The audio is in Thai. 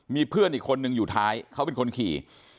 มีเพื่อนอีกคนนึงอยู่ท้ายเขาเป็นคนขี่